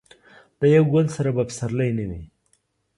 د یو ګل سره به پسرلی نه وي.